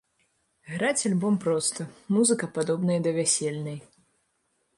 Граць альбом проста, музыка падобная да вясельнай.